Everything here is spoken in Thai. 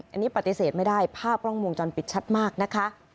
อันนี้ปฏิเสธไม่ได้ภาพกล้องวงจรปิดชัดมากนะคะ